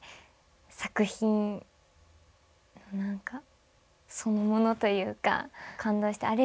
作品そのものというか感動してあれ